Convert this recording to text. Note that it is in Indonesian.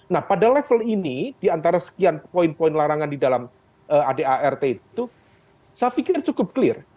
nah pada level ini diantara sekian poin poin larangan di dalam adart itu saya pikir cukup clear